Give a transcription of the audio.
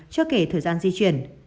trước kể thời gian di chuyển